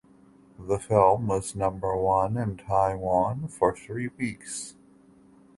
The film was number one in Taiwan for three weeks.